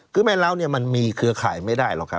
คือแม่เล้าเนี่ยมันมีเครือข่ายไม่ได้หรอกครับ